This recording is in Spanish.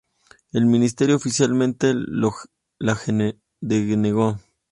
El Ministerio oficialmente la denegó.